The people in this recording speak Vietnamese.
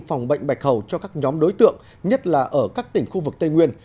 phòng bệnh bạch hầu cho các nhóm đối tượng nhất là ở các tỉnh khu vực tây nguyên